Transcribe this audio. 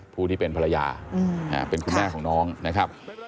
ผู้ที่เป็นภรรยาเป็นคุณแม่ของน้องนะครับ